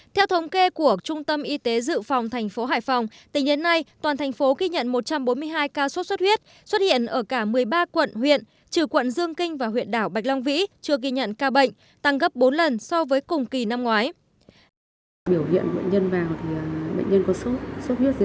theo thống kê của trung tâm y tế dự phòng thành phố hải phòng tính đến nay toàn thành phố ghi nhận một trăm bốn mươi hai ca sốt xuất huyết xuất hiện ở cả một mươi ba quận huyện trừ quận dương kinh và huyện đảo bạch long vĩ chưa ghi nhận ca bệnh tăng gấp bốn lần so với cùng kỳ năm ngoái